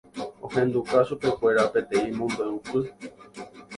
ohenduka chupekuéra peteĩ mombe'upy